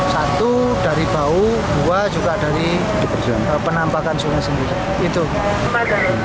satu dari bau dua juga dari penampakan sungai sendiri